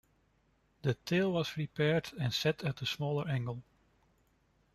The tail was repaired and set at a smaller angle.